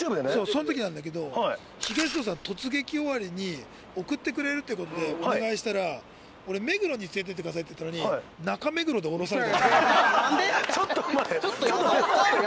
その時なんだけど東野さん突撃終わりに送ってくれるという事でお願いしたら俺「目黒に連れていってください」って言ったのに中目黒で降ろされたんですよ。